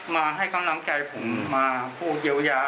มาให้กำลังใจผมมาผู้เยียวยา